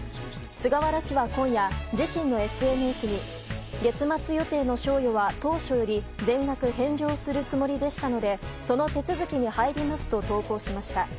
菅原氏は今夜、自身のＳＮＳに月末予定の賞与は当初より全額返上するつもりでしたのでその手続きに入りますと投稿しました。